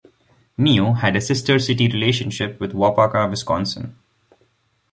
Nio had a sister city relationship with Waupaca, Wisconsin.